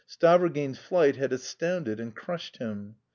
Stavrogin's flight had astounded and crushed him.